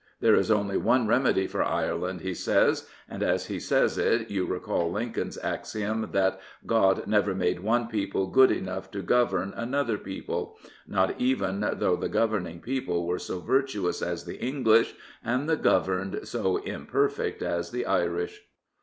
" There is only one remedy for Ireland," he says, and as he says it you recall Lincoln's axiom that " God never made one people good enough to govern another 3*1 Prophets, Priests, and Kings people "— not even though the governing people were so virtuous as the English and the governed so im perfect as the Irish.